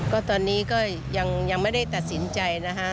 ก็ตอนนี้ก็ยังไม่ได้ตัดสินใจนะฮะ